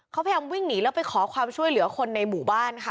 เขาพยายามวิ่งหนีแล้วไปขอความช่วยเหลือคนในหมู่บ้านค่ะ